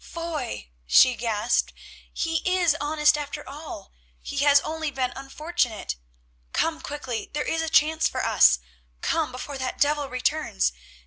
"Foy," she gasped, "he is honest after all; he has only been unfortunate. Come quickly, there is a chance for us; come before that devil returns.